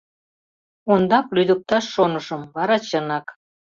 — Ондак лӱдыкташ шонышым, вара — чынак...